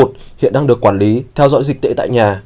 một trăm hai mươi f một hiện đang được quản lý theo dõi dịch tệ tại nhà